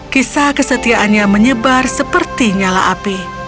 kisah kesetiaannya menyebar seperti nyala api